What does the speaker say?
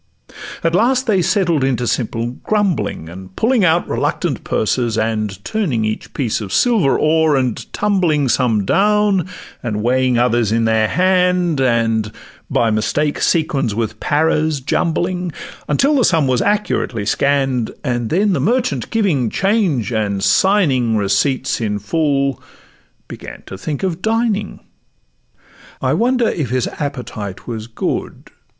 At last they settled into simple grumbling, And pulling out reluctant purses, and Turning each piece of silver o'er, and tumbling Some down, and weighing others in their hand, And by mistake sequins with paras jumbling, Until the sum was accurately scann'd, And then the merchant giving change, and signing Receipts in full, began to think of dining. I wonder if his appetite was good?